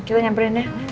kita nyamperin deh